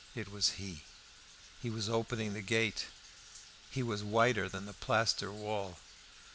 It was he; he was opening the gate; he was whiter than the plaster wall.